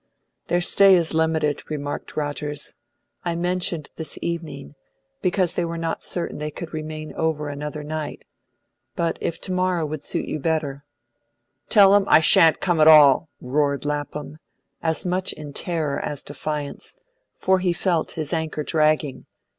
"Their stay is limited," remarked Rogers. "I mentioned this evening because they were not certain they could remain over another night. But if to morrow would suit you better " "Tell 'em I shan't come at all," roared Lapham, as much in terror as defiance, for he felt his anchor dragging.